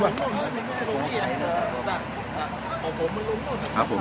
สวัสดีครับทุกคน